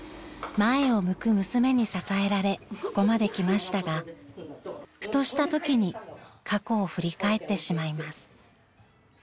前を向く娘に支えられここまで来ましたがふとしたときに過去を振り返ってしまいます。